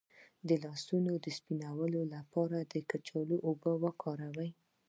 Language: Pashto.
د لاسونو د سپینولو لپاره د کچالو اوبه وکاروئ